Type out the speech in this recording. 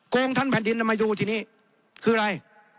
โกงท่านแผ่นดินน้ำมาดูที่นี่คืออะไร